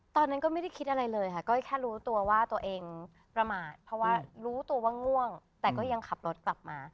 ตอนนั้นก็ไม่ได้คิดอะไรเลยค่ะก้อยแค่รู้ตัวว่าตัวเองประมาทเพราะว่ารู้ตัวว่าง่วงแต่ก็ยังขับรถกลับมา